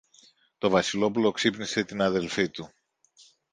Το Βασιλόπουλο ξύπνησε την αδελφή του.